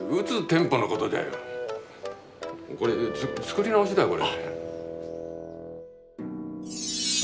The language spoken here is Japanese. これ作り直しだよこれ。